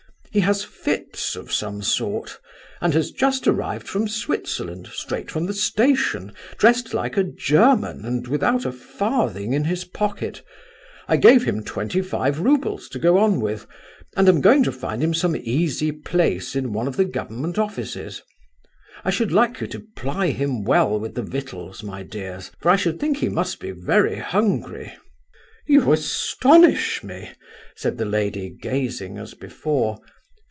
He has fits of some sort, and has just arrived from Switzerland, straight from the station, dressed like a German and without a farthing in his pocket. I gave him twenty five roubles to go on with, and am going to find him some easy place in one of the government offices. I should like you to ply him well with the victuals, my dears, for I should think he must be very hungry." "You astonish me," said the lady, gazing as before.